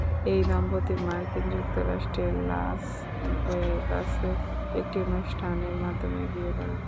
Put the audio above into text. এই দম্পতি মার্কিন যুক্তরাষ্ট্রের লাস ভেগাসে একটি অনুষ্ঠানের মাধ্যমে বিয়ে করেন।